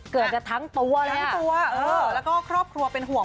เกือบจะทั้งตัวทั้งตัวแล้วก็ครอบครัวเป็นห่วง